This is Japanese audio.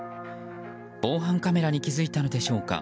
防犯カメラに気付いたのでしょうか。